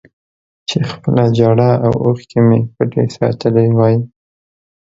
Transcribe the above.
چې خپله ژړا او اوښکې مې پټې ساتلې وای